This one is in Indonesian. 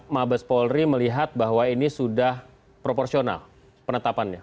mabes polri melihat bahwa ini sudah proporsional penetapannya